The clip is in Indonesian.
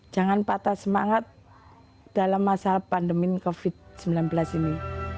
jangan patah semangat dalam masa pandemi covid sembilan belas ini